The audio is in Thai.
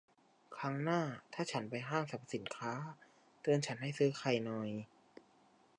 ครั้งหน้าถ้าฉันไปห้างสรรพสินค้า เตือนฉันให้ซื้อไข่หน่อย